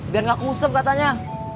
biar gak kusep katanya